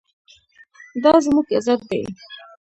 دا زموږ عزت دی